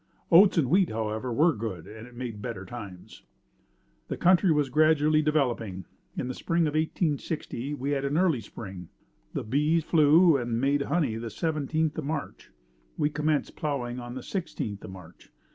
Oats and wheat however were good and it made better times. The country was gradually developing. In the spring of 1860 we had an early spring. The bees flew and made honey the seventeenth of March. We commenced plowing on the sixteenth of March.